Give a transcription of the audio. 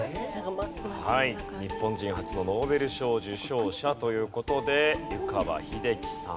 はい日本人初のノーベル賞受賞者という事で湯川秀樹さん